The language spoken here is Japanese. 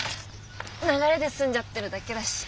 流れで住んじゃってるだけだし。